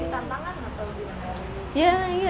tapi ini tantangan atau gimana